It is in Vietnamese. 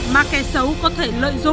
mà kẻ xấu có thể lợi dụng